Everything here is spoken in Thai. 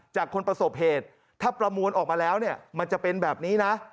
คนประสบเหตุถ้าประมวลออกมาแล้วเนี่ยมันจะเป็นแบบนี้นะ